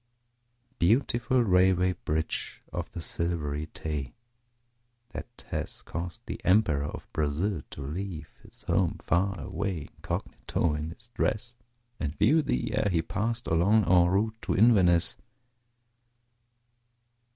Beautiful Railway Bridge of the Silvery Tay! That has caused the Emperor of Brazil to leave His home far away, incognito in his dress, And view thee ere he passed along en route to Inverness.